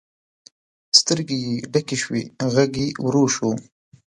سترګې یې ډکې شوې، غږ یې ورو شو.